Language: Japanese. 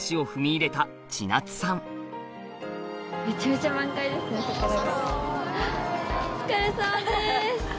お疲れさまです。